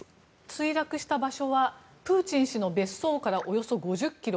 墜落した場所はプーチン氏の別荘からおよそ５０ｋｍ。